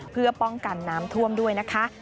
เพื่อป้องกันน้ำท่วมด้วยนะคะ